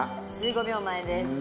１５秒前です。